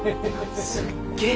すっげー。